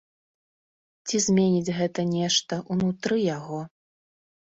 Ці зменіць гэта нешта ўнутры яго?